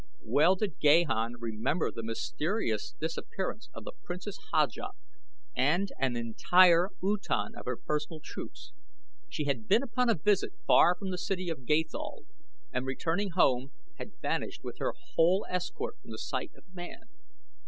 Well did Gahan remember the mysterious disappearance of the Princess Haja and an entire utan of her personal troops. She had been upon a visit far from the city of Gathol and returning home had vanished with her whole escort from the sight of man.